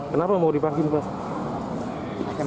kenapa mau dipaksin pak